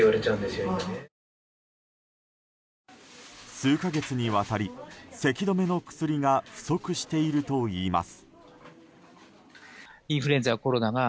数か月にわたりせき止めの薬が不足しているといいます。